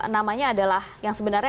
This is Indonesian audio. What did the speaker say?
namanya adalah yang sebenarnya